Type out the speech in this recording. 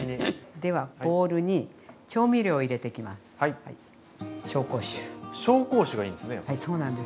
ではボウルに調味料を入れていきます。